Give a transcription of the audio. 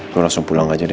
gue langsung pulang aja deh